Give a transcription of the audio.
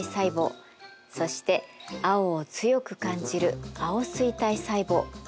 そして青を強く感じる青錐体細胞。